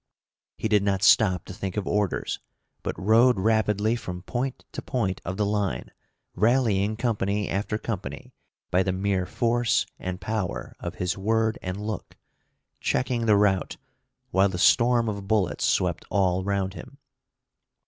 He did not stop to think of orders, but rode rapidly from point to point of the line, rallying company after company by the mere force and power of his word and look, checking the rout, while the storm of bullets swept all round him.